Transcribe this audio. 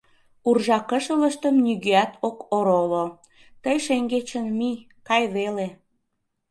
Уржа кышылыштым нигӧат ок ороло... тый шеҥгечын мий... кай веле.